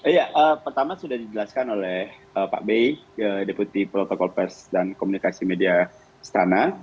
iya pertama sudah dijelaskan oleh pak bey deputi protokol pers dan komunikasi media setara